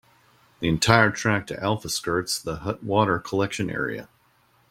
The entire track to Alpha skirts the Hutt Water Collection Area.